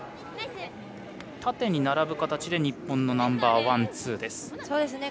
縦に並ぶ形で日本のナンバーワン、ツーです。